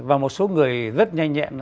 và một số người rất nhanh nhẹn